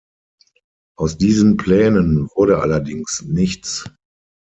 Aus diesen Plänen wurde allerdings nichts.